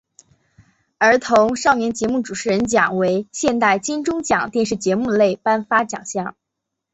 儿童少年节目主持人奖为现行金钟奖电视节目类颁发奖项。